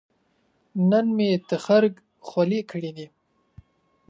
نن مې تخرګ خولې کړې دي